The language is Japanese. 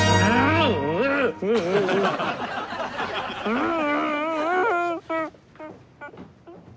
うん？